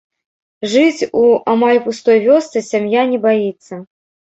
Жыць у амаль пустой вёсцы сям'я не баіцца.